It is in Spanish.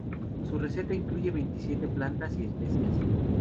Su receta incluye veintisiete plantas y especias.